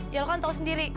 ya lo kan tau sendiri